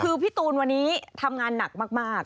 คือพี่ตูนวันนี้ทำงานหนักมาก